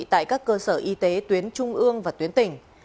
tại các cơ sở y tế tuyến trung ương và tuyến tỉnh